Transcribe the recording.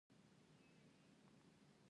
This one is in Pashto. توان د کار سرعت دی.